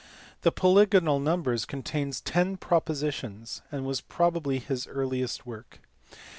The Polygonal Numbers contains ten propositions, and was probably his earliest work.